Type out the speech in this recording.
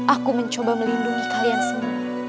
aku mencoba melindungi kalian semua